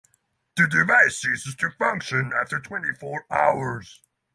The device ceases to function after twenty-four hours.